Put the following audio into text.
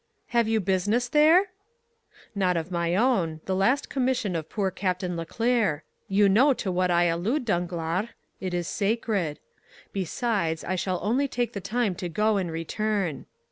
"Have you business there?" "Not of my own; the last commission of poor Captain Leclere; you know to what I allude, Danglars—it is sacred. Besides, I shall only take the time to go and return."